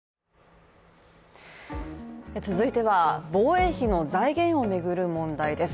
続いては、防衛費の財源を巡る問題です。